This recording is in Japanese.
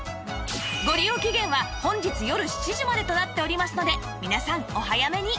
ご利用期限は本日よる７時までとなっておりますので皆さんお早めに